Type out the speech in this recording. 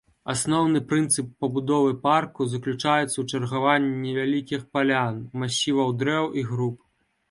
Асноўны прынцып пабудовы парку заключаецца ў чаргаванні невялікіх палян, масіваў дрэў і груп.